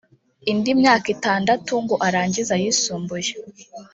indi myaka itandatu ngo arangize ayisumbuye